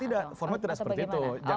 tidak format tidak seperti itu